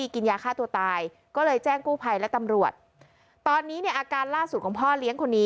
ก็เลยแจ้งกู้ภัยและตำรวจตอนนี้เนี้ยอาการล่าสุดของพ่อเลี้ยง